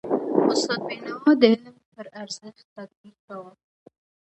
استاد بینوا د علم پر ارزښت تاکید کاوه.